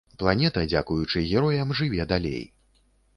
Планета дзякуючы героям жыве далей.